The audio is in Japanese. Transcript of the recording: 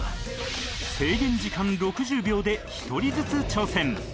制限時間６０秒で１人ずつ挑戦